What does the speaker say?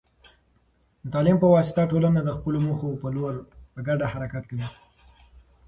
د تعلیم په واسطه، ټولنه د خپلو موخو په لور په ګډه حرکت کوي.